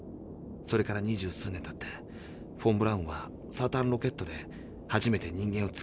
それから二十数年たってフォン・ブラウンはサターンロケットで初めて人間を月へ送ったよ。